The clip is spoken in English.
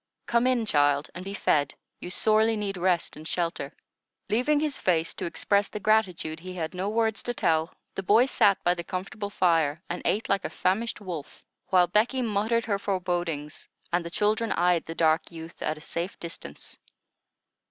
Come in, child, and be fed: you sorely need rest and shelter." Leaving his face to express the gratitude he had no words to tell, the boy sat by the comfortable fire and ate like a famished wolf, while Becky muttered her forebodings and the children eyed the dark youth at a safe distance.